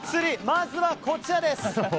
まずは、こちらです。